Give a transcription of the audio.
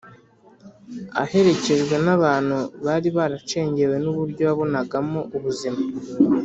aherekejwe n’abantu bari baracengewe n’uburyo yabonagamo ubuzima.